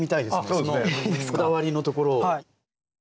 そのこだわりのところを。